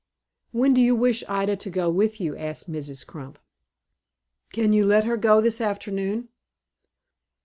"When do you wish Ida to go with you?" asked Mrs. Crump. "Can you let her go this afternoon?"